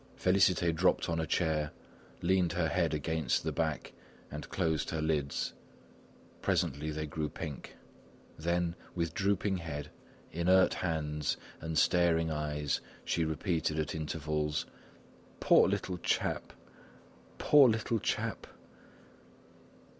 Félicité dropped on a chair, leaned her head against the back and closed her lids; presently they grew pink. Then, with drooping head, inert hands and staring eyes she repeated at intervals: "Poor little chap! poor little chap!"